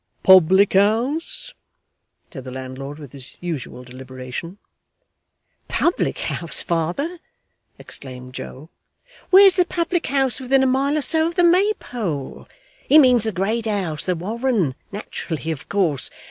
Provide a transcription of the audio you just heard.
'Public house?' said the landlord, with his usual deliberation. 'Public house, father!' exclaimed Joe, 'where's the public house within a mile or so of the Maypole? He means the great house the Warren naturally and of course.